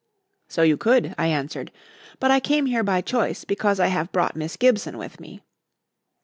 "So you could," I answered. "But I came here by choice because I have brought Miss Gibson with me."